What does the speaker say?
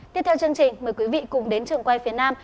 tiếp theo chương trình mời quý vị cùng đến trường quay phía nam